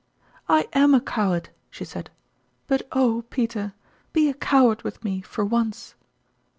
" I am a coward," she said ;" but oh, Peter, be a coward with me for once